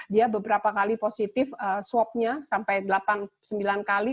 dia beberapa kali positif swabnya sampai delapan sembilan kali